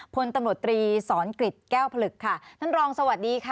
พลตำรวจตรีศรกฤทธิ์แก้วผลึกท่านรองสวัสดีค่ะ